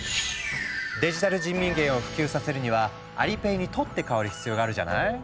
デジタル人民元を普及させるにはアリペイに取って代わる必要があるじゃない？